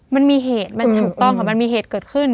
มันมีเหตุมันถูกต้องค่ะมันมีเหตุเกิดขึ้น